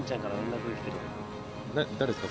誰ですか？